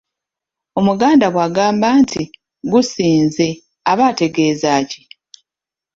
Omuganda bw'agamba nti “Gusinze”, aba ategeeza ki?